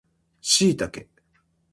シイタケ